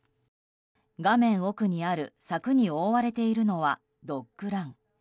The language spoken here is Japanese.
画面奥にある柵に覆われているのはドッグラン。